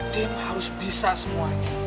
tim harus bisa semuanya